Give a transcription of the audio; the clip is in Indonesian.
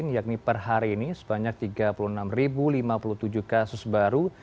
yakni per hari ini sebanyak tiga puluh enam lima puluh tujuh kasus baru